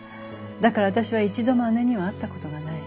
だから私は一度も姉には会ったことがない。